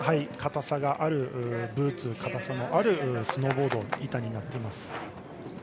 硬さがあるブーツ硬さのあるスノーボード板になっています。